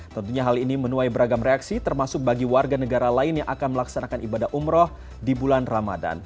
tentunya hal ini menuai beragam reaksi termasuk bagi warga negara lain yang akan melaksanakan ibadah umroh di bulan ramadan